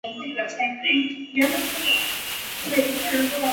埃韦特萨勒贝尔人口变化图示